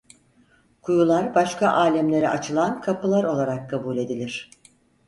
Kuyular başka alemlere açılan kapılar olarak kabul edilir.